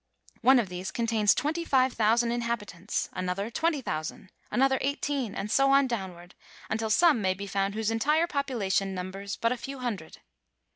One of these con A RUSSIAN ELOPfiMENl^. 247 tains twenty five thousand inhabitants, another twenty thousand, another eighteen, and so on downward, until some may be found whose entire population numbers but a few hundred.